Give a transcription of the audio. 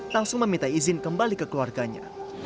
langsung meminta izin kembali ke keluarganya